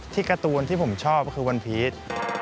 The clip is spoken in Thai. การ์ตูนที่ผมชอบคือวันพีช